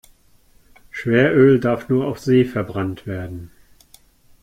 Schweröl darf nur auf See verbrannt werden.